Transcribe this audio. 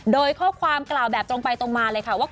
โดยข้อความกล่าวแบบตรงไปตรงมาเลยค่ะว่า